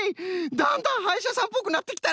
だんだんはいしゃさんっぽくなってきたな。